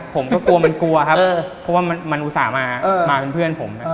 ผมก็กลัวมันกลัวครับเพราะว่ามันอุตส่าห์มาเป็นเพื่อนผม